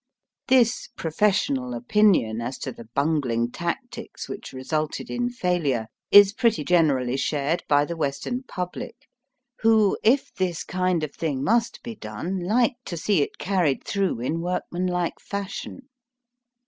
This professional opinion as to the bungling tactics which resulted in failure, is pretty generally shared by the Western public, who, if this kind of thing must be done, like to see it carried through in workmanlike fashion.